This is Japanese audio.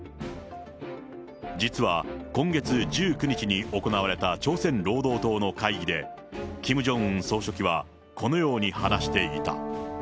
実は今月１９日に行われた朝鮮労働党の会議で、キム・ジョンウン総書記は、このように話していた。